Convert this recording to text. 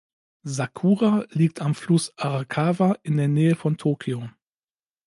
Sakura liegt am Fluss Arakawa in der Nähe von Tokio.